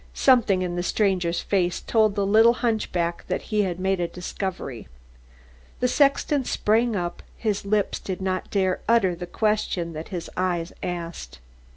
Something in the stranger's face told the little hunchback that he had made a discovery. The sexton sprang up, his lips did not dare utter the question that his eyes asked.